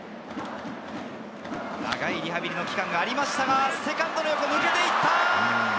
長いリハビリの期間がありましたが、セカンドの横、抜けていった。